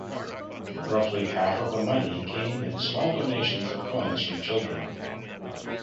Roughly half of the money came in small donations of coins from children.